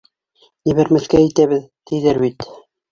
Ебәрмәҫкә итәбеҙ, тиҙәр бит!